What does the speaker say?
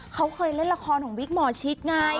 เค้าเคยเล่นละครของวิทย์มอร์ชิตไง